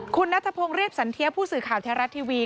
คุณนัทพงศ์เรียบสันเทียผู้สื่อข่าวแท้รัฐทีวี